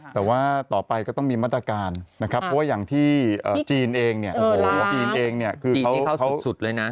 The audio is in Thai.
แต่ว่าต่อไปก็ต้องมีมาตรการนะครับเพราะว่าอย่างที่จีนเองจีนนี่เขาสุดเลยนะ